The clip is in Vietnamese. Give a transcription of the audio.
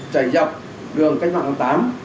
chảy dọc đường cách mạng tám